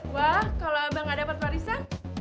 wah kalau abang gak dapat warisan